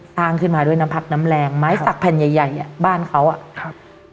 สร้างขึ้นมาด้วยน้ำพักน้ำแรงไม้สักแผ่นใหญ่ใหญ่อ่ะบ้านเขาอ่ะครับ